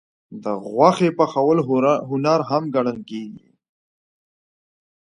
د غوښې پخول هنر هم ګڼل کېږي.